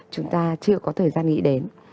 chúng ta chưa có thời gian nghĩ đến